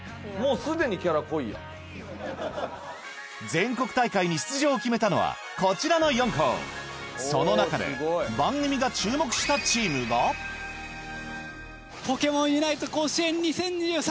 全国大会に出場を決めたのはこちらの４校その中で番組が注目したチームがポケモンユナイト甲子園２０２３